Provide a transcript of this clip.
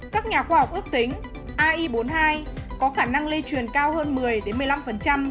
các nhà khoa học ước tính ai bốn mươi hai có khả năng lây truyền cao hơn một mươi một mươi năm